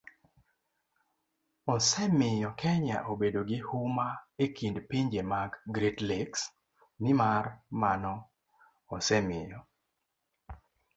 osemiyo Kenya obedo gi huma e kind pinje mag Great Lakes, nimar mano osemiyo